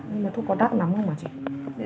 nhưng mà thuốc có đắt lắm không hả chị